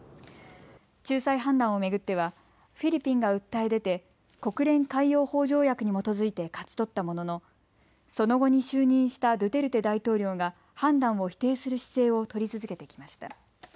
仲裁判断を巡ってはフィリピンが訴え出て国連海洋法条約に基づいて勝ち取ったもののその後に就任したドゥテルテ大統領が判断を否定する姿勢を取り続けてきました。